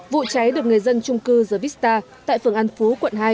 vụ cháy được người dân trung cư gia vista tại phường an phú quận hai